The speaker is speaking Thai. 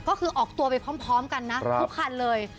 ก็คือออกตัวไปพร้อมกันนะทุกคันเลย